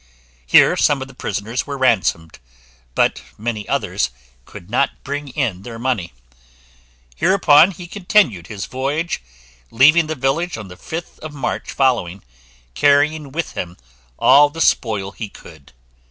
Here some of the prisoners were ransomed, but many others could not bring in their money. Hereupon he continued his voyage, leaving the village on the 5th of March following, carrying with him all the spoil he could.